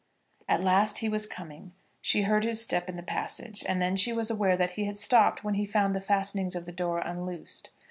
At last he was coming. She heard his step in the passage, and then she was aware that he had stopped when he found the fastenings of the door unloosed.